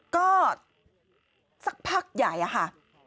ก็สักพักใหญ่อะค่ะ